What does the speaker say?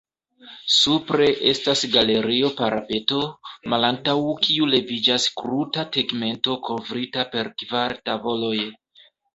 Supre estas galerio-parapeto, malantaŭ kiu leviĝas kruta tegmento kovrita per kvar tavoloj.